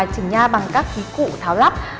hoặc là chỉnh nha bằng các ký cụ tháo lắp